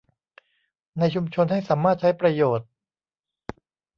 ในชุมชนให้สามารถใช้ประโยชน์